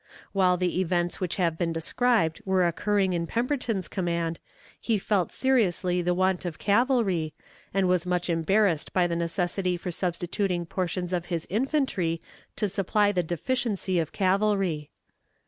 While the events which have been described were occurring in Pemberton's command, he felt seriously the want of cavalry, and was much embarrassed by the necessity for substituting portions of his infantry to supply the deficiency of cavalry.